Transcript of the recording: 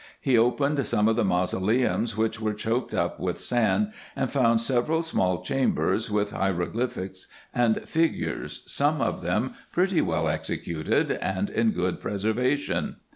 He opened some of the mausoleums which were choked up with sand, and found several small chambers, with hieroglyphics and figures, some of them pretty well executed, and in good pre servation.